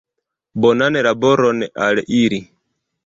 Bonan laboron al ili!